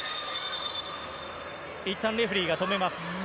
いったんレフェリーが止めます。